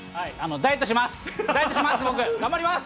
ダイエットします。